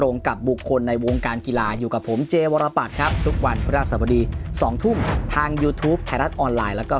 งั้นเราเปลี่ยนทางดีกว่า